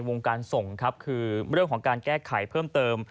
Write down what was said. วงการส่งครับคือเรื่องของการแก้ไขเพิ่มเติม